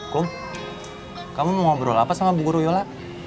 kum kamu ngobrol apa sama bu guru yola